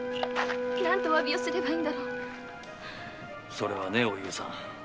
それはねおゆうさん